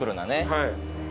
はい。